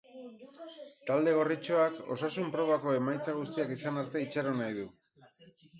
Talde gorritxoak osasun probako emaitza guztiak izan arte itxaron nahi du.